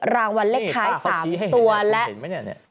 รางวัลเลขท้าย๓ตัวและ